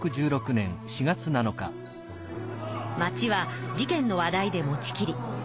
町は事件の話題で持ちきり。